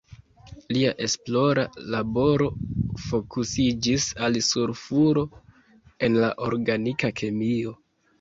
Lia esplora laboro fokusiĝis al sulfuro en la organika kemio.